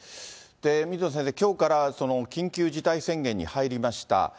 水野先生、きょうから緊急事態宣言に入りました。